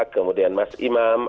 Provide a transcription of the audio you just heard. kemudian mas imam